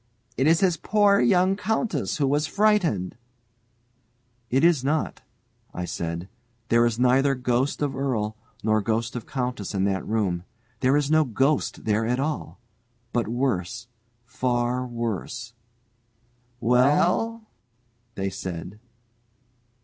"It is his poor young countess who was frightened " "It is not," I said. "There is neither ghost of earl nor ghost of countess in that room, there is no ghost there at all; but worse, far worse " "Well?" they said.